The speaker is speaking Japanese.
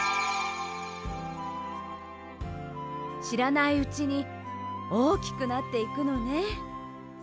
しらないうちにおおきくなっていくのね。